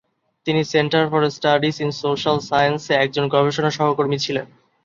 তিনি centre for studies in social সায়েন্সে একজন গবেষণা সহকর্মী ছিলেন।